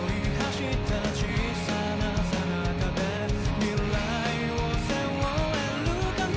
「未来を背負えるかな？」